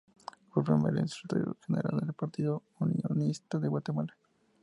Fue el primer secretario general del Partido Unionista en Guatemala.